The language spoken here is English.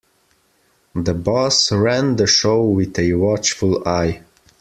The boss ran the show with a watchful eye.